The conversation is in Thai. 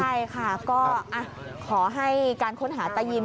ใช่ค่ะก็ขอให้การค้นหาตายิน